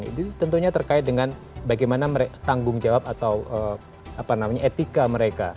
itu tentunya terkait dengan bagaimana tanggung jawab atau etika mereka